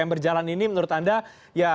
yang berjalan ini menurut anda ya